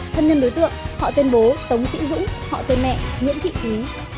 thân nhân đối tượng họ tên bố tống sĩ dũng họ tên mẹ nguyễn thị ký